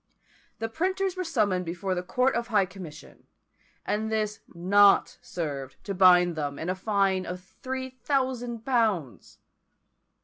The printers were summoned before the Court of High Commission, and this not served to bind them in a fine of three thousand pounds!